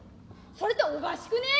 それっておかしくねえ？